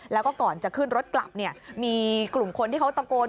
แล้วก็ก่อนจะขึ้นรถกลับเนี่ยมีกลุ่มคนที่เขาตะโกน